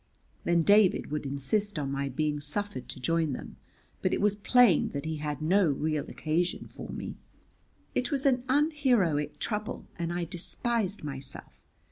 Then David would insist on my being suffered to join them, but it was plain that he had no real occasion for me. It was an unheroic trouble, and I despised myself.